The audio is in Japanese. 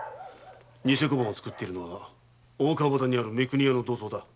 偽小判を作っているのは大川端にある三国屋の土蔵だ。